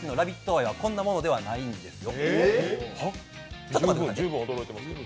愛はこんなものではないですよ。